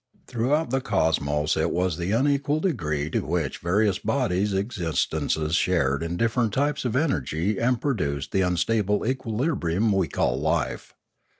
Throughout the cosmos it was the unequal degree to which various bodies and exist 36 562 Limanora ences shared in different types of energy that produced the unstable equilibrium we call life.